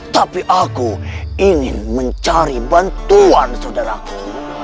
tapi aku ingin mencari bantuan saudaraku